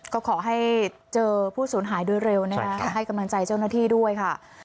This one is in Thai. ก็ขอให้เจอผู้สูญหายโดยเร็วนะคะให้กำลังใจเจ้าหน้าที่ด้วยค่ะ